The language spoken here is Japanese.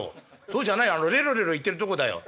そうじゃないあのレロレロ言ってるとこだよ」。